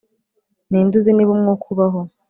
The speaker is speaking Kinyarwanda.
ni nde uzi niba umwuka ubaho